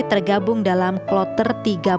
tergabung dalam kloter tiga puluh